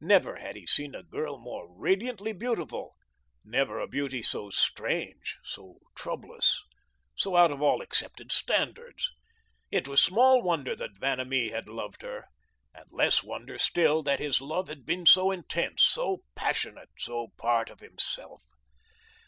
Never had he seen a girl more radiantly beautiful, never a beauty so strange, so troublous, so out of all accepted standards. It was small wonder that Vanamee had loved her, and less wonder, still, that his love had been so intense, so passionate, so part of himself.